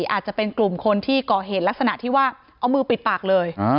อาจจะเป็นกลุ่มคนที่ก่อเหตุลักษณะที่ว่าเอามือปิดปากเลย